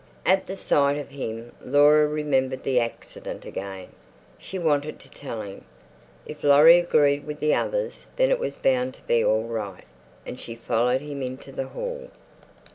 At the sight of him Laura remembered the accident again. She wanted to tell him. If Laurie agreed with the others, then it was bound to be all right. And she followed him into the hall.